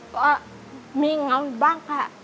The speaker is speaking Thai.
ก็มีเหงาบ้างค่ะ